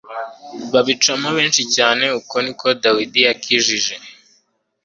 babicamo benshi cyane Uko ni ko Dawidi yakijije